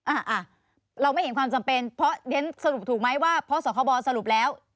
อ่ะเราไม่เห็นความจำเป็นเพราะฉะนั้นสรุปถูกไหมว่าเพราะสคบสรุปแล้ว